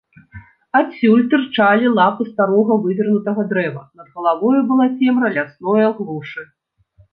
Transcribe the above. Адсюль тырчалі лапы старога вывернутага дрэва, над галавою была цемра лясное глушы.